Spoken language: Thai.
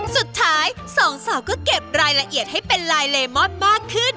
สองสาวก็เก็บรายละเอียดให้เป็นลายเลมอนมากขึ้น